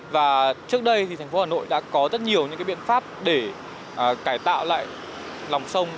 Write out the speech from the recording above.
và trước đây thì thành phố hà nội đã có rất nhiều những biện pháp để cải tạo lại lòng sông